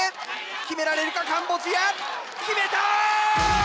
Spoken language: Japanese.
決められるかカンボジア⁉決めた！